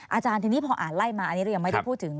อาจารย์ทีนี้พออ่านไล่มาอันนี้เรายังไม่ได้พูดถึง